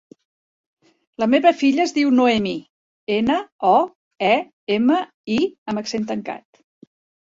La meva filla es diu Noemí: ena, o, e, ema, i amb accent tancat.